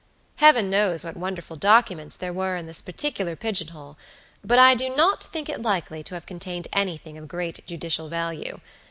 Heaven knows what wonderful documents there were in this particular pigeon hole, but I do not think it likely to have contained anything of great judicial value.